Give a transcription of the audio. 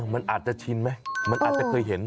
มันอาจจะชินไหมมันอาจจะเคยเห็น